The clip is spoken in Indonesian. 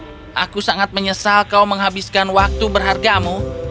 aku sangat menyesal kau menghabiskan waktu berhargamu